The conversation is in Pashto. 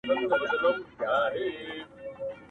را ایستل یې له قبرونو کفنونه،